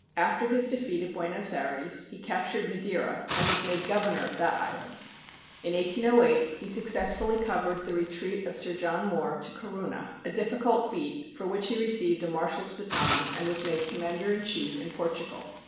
After his defeat at Buenos Ayres he captured Madeira, and was made governor of that island. In 1808 he successfully covered the retreat of Sir John Moore to Corunna, a difficult feat, for which he received a marshal's baton, and was made commander in chief in Portugal.